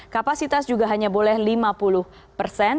kapasitas juga hanya boleh lima puluh persen